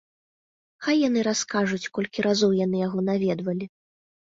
Хай яны раскажуць, колькі разоў яны яго наведвалі.